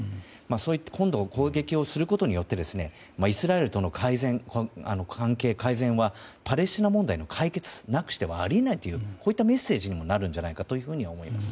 そういって今度攻撃をすることによってイスラエルとの関係改善はパレスチナ問題の解決をなくしてはありえないとこういったメッセージにもなるんじゃないかと思います。